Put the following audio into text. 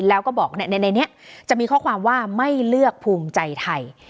แล้วก็บอกว่าในนี้จะมีข้อความว่าไม่เลือกภูมิใจไทย